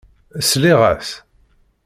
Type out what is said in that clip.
Sliɣ-as.